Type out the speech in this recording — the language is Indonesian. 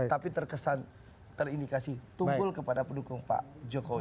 tapi terkesan terindikasi tumpul kepada pendukung pak jokowi